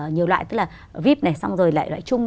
nhiều loại tức là vip này xong rồi lại loại chung